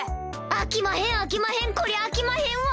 あきまへんあきまへんこりゃあきまへんわ！